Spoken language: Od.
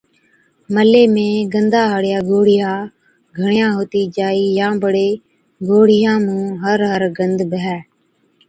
ملي ۾ گندا هاڙِيا گوڙهِيا گھڻِيا هُتِي جائِي يان بڙي گوڙهِيان هر هر گند بيهَي